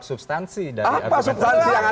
substansi dari agung andi